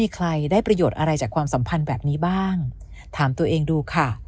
ใครได้ประโยชน์อะไรจากความสัมพันธ์แบบนี้บ้างถามตัวเองดูค่ะ